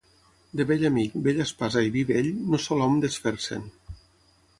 De vell amic, vella espasa i vi vell, no sol hom desfer-se'n.